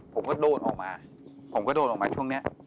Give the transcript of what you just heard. ผมก็โดดออกมาผมก็โดนออกมาช่วงนี้